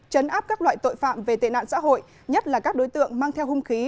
chấn áp các loại tội phạm về tệ nạn xã hội nhất là các đối tượng mang theo hung khí